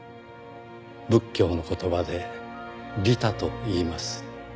「仏教の言葉で“利他”といいます」